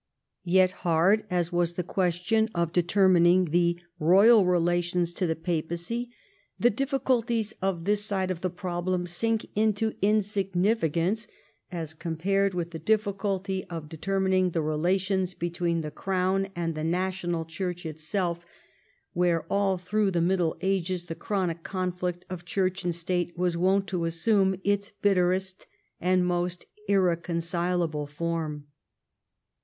Yet hard as was the question of determining the royal relations to the papacy, the difficulties of this side of the problem sink into in significance as compared with the difficulty of determin ing the relations between the Crown and the national Church itself, where all through the Middle Ages the chronic conflict of Church and State was wont to assume its bitterest and most irreconcilable form.